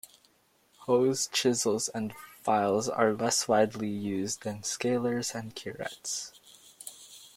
Hoes, chisels, and files are less widely used than scalers and curettes.